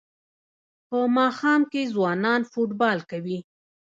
په ماښام کې ځوانان فوټبال کوي.